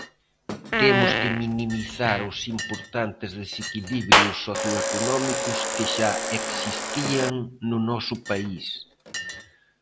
Temos que minimizar os importantes desequilibrios socioeconómicos que xa existían no noso país.